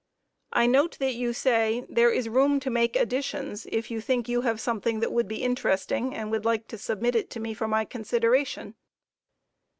I note that you say: "There is room to make additions if you think you have something that would be interesting, and would like to submit it to me for my consideration."